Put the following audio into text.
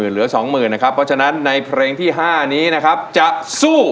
เหลือสองหมื่นนะครับเพราะฉะนั้นในเพลงที่๕นี้นะครับจะสู้